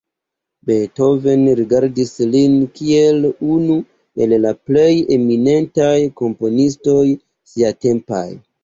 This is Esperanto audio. Beethoven rigardis lin kiel unu el la plej eminentaj komponistoj siatempaj.